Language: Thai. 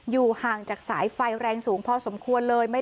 อยู่ห่างจากสายไฟแรงสูงพอสมควรเลย